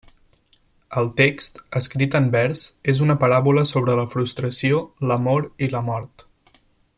El text, escrit en vers, és una paràbola sobre la frustració, l'amor i la mort.